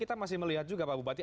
kita masih melihat juga pak bupati